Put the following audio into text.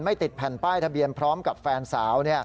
ติดแผ่นป้ายทะเบียนพร้อมกับแฟนสาว